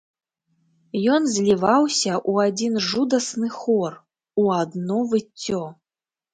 Ён зліваўся ў адзін жудасны хор, у адно выццё.